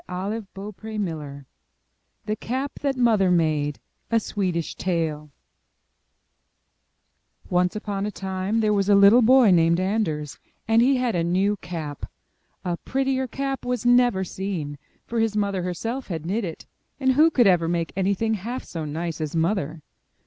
M Y BOOK HOUSE THE CAP THAT MOTHER MADE A Swedish Tale Once upon a time there was a little boy, named Anders, and he had a new cap. A prettier cap was never seen, for his mother herself had knit it; and who could ever make anything half so nice as Mother!